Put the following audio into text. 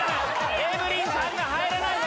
エブリンさんが入らないぞ。